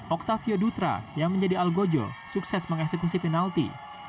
octavio dutra yang menjadi al gojo sukses mengeksekusi penalti